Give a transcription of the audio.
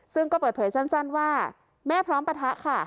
ซึ่งก็เปิดเผยสั้นว่าแม่พร้อมปะทะค่ะ